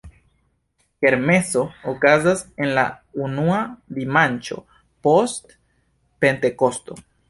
Kermeso okazas en la unua dimanĉo post Pentekosto.